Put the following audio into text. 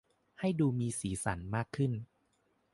ให้ดูมีสีสรรค์มากขึ้น